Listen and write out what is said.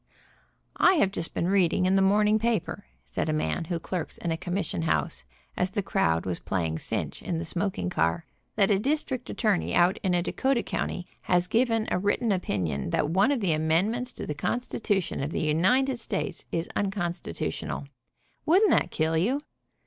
"I have just been reading in the morning paper," said a man who clerks in a commission house, as the crowd was playing cinch in the smoking car, "that a district attorney out in a Dakota county, has given a written opinion that one of the amendments to the constitution of the United States is unconstitutional. Wouldn't that kill you?"